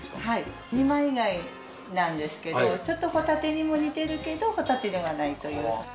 はい二枚貝なんですけどちょっとホタテにも似てるけどホタテではないという。